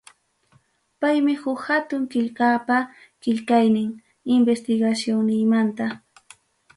Paymi huk hatun qillqapa qillqaynin investigacionniymanta.